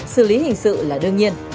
xử lý hình sự là đương nhiên